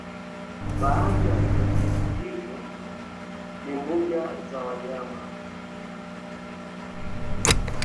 baadhi ya vivutio hivyo ni mbuga za wanyama